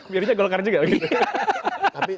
milihnya golkar juga begitu